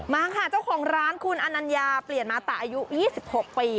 มาค่ะเจ้าของร้านคุณอนัญญาเปลี่ยนมาตะอายุ๒๖ปี